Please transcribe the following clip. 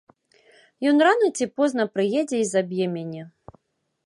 Ён рана ці позна прыедзе і заб'е мяне.